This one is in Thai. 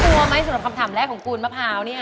กลัวไหมสำหรับคำถามแรกของปูนมะพร้าวเนี่ย